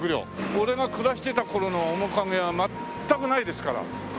俺が暮らしてた頃の面影は全くないですから。